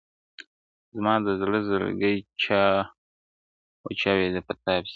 زما د زړه زړگى چي وچاودېد په تاپسي يــــــار,